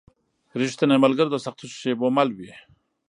رښتینی ملګری د سختو شېبو مل وي.